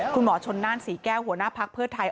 คุณหมอชนน่านศรีแก้วหัวหน้าภักดิ์เพื่อไทย